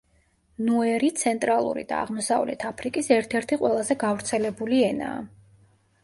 ნუერი ცენტრალური და აღმოსავლეთ აფრიკის ერთ–ერთი ყველაზე გავრცელებული ენაა.